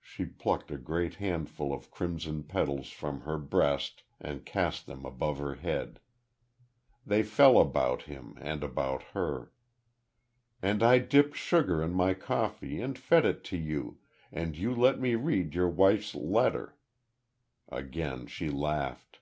She plucked a great handful of crimson petals from her breast and cast them above her head. They fell about him, and about her. "And I dipped sugar in my coffee and fed it to you, and you let me read your wife's letter." Again she laughed.